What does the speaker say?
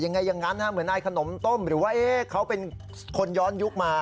อย่างนั้นเหมือนนายขนมต้มหรือว่าเขาเป็นคนย้อนยุคมา